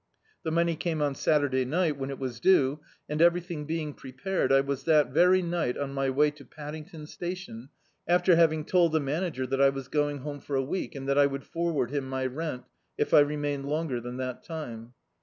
The money came on Sat* urday ni^t, when it was due, and everything being prepared, I was that very ni^t on my way to Pad dington Station, after having told the manager that I was going home for a week, and that I would forward him my rent, if I remained longer than that time.